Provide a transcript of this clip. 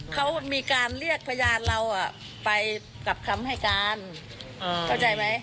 เขามีการเรียกพยานเราไปกับคำให้การเข้าใจไหม